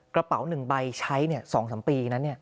กระเป๋า๑ใบใช้เนี่ย๒๓ปีนะเนี่ย